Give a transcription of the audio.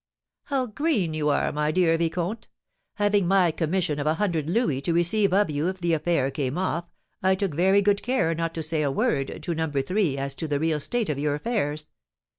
"How green you are, my dear vicomte! Having my commission of a hundred louis to receive of you if the affair came off, I took very good care not to say a word to No. 3 as to the real state of your affairs.